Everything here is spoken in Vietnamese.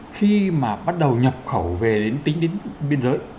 khi mà bắt đầu nhập khẩu về đến tính đến biên giới